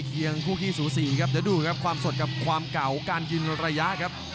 ยังคู่ขี้สูสีครับเดี๋ยวดูครับความสดกับความเก่าการยืนระยะครับ